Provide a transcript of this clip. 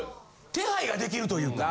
手配ができるというか。